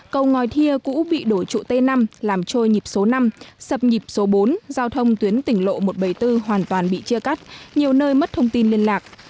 cầu ngòi thia cũ bị đổ trụ t năm làm trôi nhịp số năm sập nhịp số bốn giao thông tuyến tỉnh lộ một trăm bảy mươi bốn hoàn toàn bị chia cắt nhiều nơi mất thông tin liên lạc